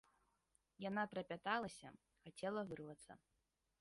Яна трапяталася, хацела вырвацца.